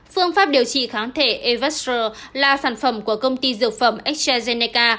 phương pháp điều trị kháng thể evastro là sản phẩm của công ty dược phẩm astrazeneca